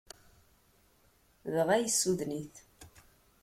Dɣa yessuden-it.